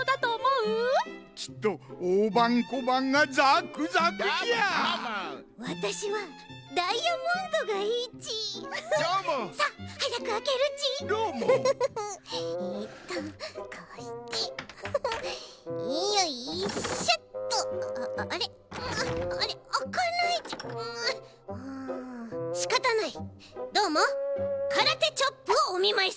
うんしかたない。